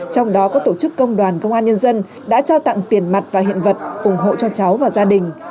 trong đó có tổ chức công đoàn công an nhân dân đã trao tặng tiền mặt và hiện vật ủng hộ cho cháu và gia đình